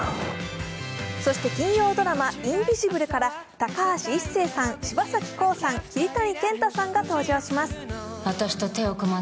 そして金曜ドラマ「インビジブル」から高橋一生さん、柴咲コウさん桐谷健太さんが登場します。